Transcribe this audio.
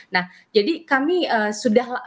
nah jadi kami sudah